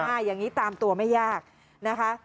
อย่างนี้ตามตัวไม่ยากนะคะ